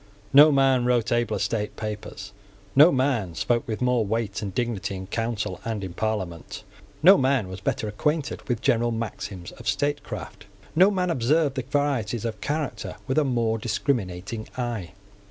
No man wrote abler state papers. No man spoke with more weight and dignity in Council and in Parliament. No man was better acquainted with general maxims of statecraft. No man observed the varieties of character with a more discriminating eye.